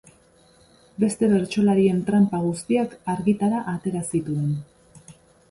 Beste bertsolarien tranpa guztiak argitara atera zituen.